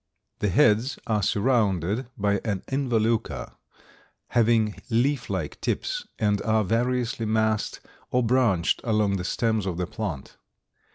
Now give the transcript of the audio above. The heads are surrounded by an involucre, having leaf like tips and are variously massed or branched along the stems of the plant.